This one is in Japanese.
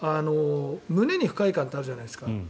胸に不快感ってあるじゃないですか。